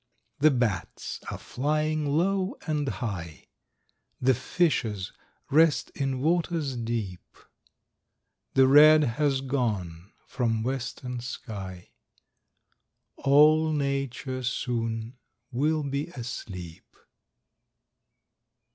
The bats are flying low and high; The fishes rest in waters deep. The red has gone from western sky, All nature soon will be asleep.